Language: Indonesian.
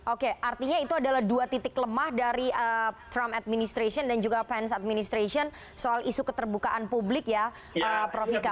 oke artinya itu adalah dua titik lemah dari trump administration dan juga pence administration soal isu keterbukaan publik ya prof ika